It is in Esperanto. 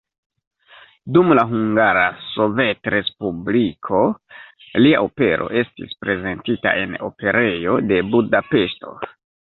Dum la Hungara Sovetrespubliko lia opero estis prezentita en Operejo de Budapeŝto.